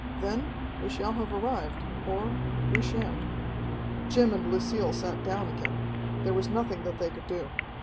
Then, we shall have arrived, or we sha'n't." Jim and Lucille sat down again. There was nothing that they could do.